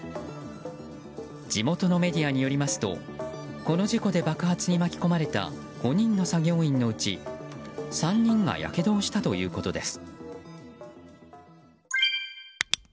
地元のメディアによりますとこの事故で爆発に巻き込まれた５人の作業員のうち、３人がやけどをしたということです。